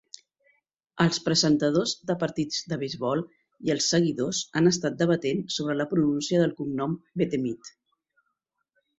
Els presentadors de partits de beisbol i els seguidors han estat debatent sobre la pronúncia del cognom de Betemit.